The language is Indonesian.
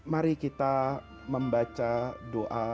mari kita membaca doa